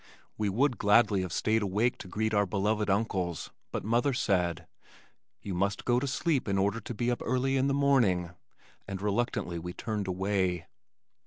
We would gladly have stayed awake to greet our beloved uncles, but mother said, "You must go to sleep in order to be up early in the morning," and reluctantly we turned away.